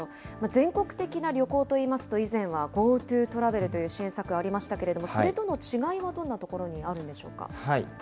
全国的な旅行といいますと、以前はＧｏＴｏトラベルという、支援策ありましたけれども、それとの違いはどんなところにあるんでしょうか。